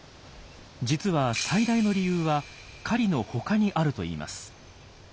実は最大の理由は狩りの他にあるといいます。